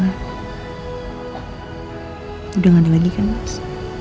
udah tidak ada lagi kan mas